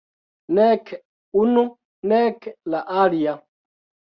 Nek unu nek la alia.